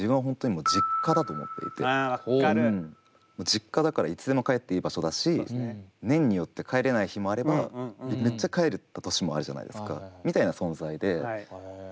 実家だからいつでも帰っていい場所だし年によって帰れない日もあればめっちゃ帰れた年もあるじゃないですかみたいな存在で。